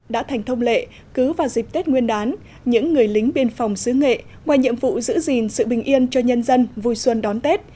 đã thành thông lệ cứ vào dịp tết nguyên đán những người lính biên phòng xứ nghệ ngoài nhiệm vụ giữ gìn sự bình yên cho nhân dân vui xuân đón tết